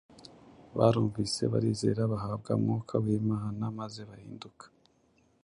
Barumvise barizera” bahabwa Mwuka w’Imana maze bahinduka